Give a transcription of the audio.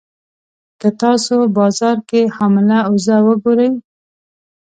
که تاسو بازار کې حامله اوزه وګورئ.